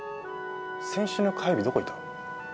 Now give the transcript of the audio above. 先週の火曜日どこいたの？